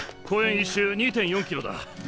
１周２．４キロだ。